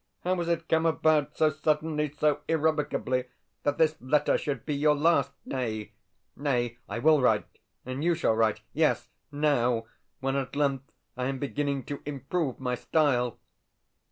How has it come about so suddenly, so irrevocably, that this letter should be your last? Nay, nay; I will write, and you shall write yes, NOW, when at length I am beginning to improve my style.